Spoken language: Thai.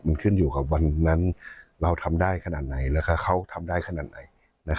มันขึ้นอยู่กับวันนั้นเราทำได้ขนาดไหนแล้วก็เขาทำได้ขนาดไหน